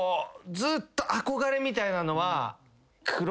ずっと憧れみたいなのは。